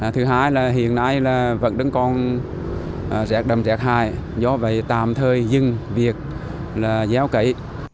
thứ hai là hiện nay vẫn đứng còn rét đậm rét hải do vậy tạm thời dưng việc là gieo cậy